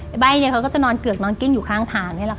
ไอ้ใบ่เขาก็จะนอนเกือกนอนกินอยู่ข้างทาง